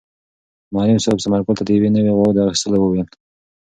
معلم صاحب ثمر ګل ته د یوې نوې غوا د اخیستلو وویل.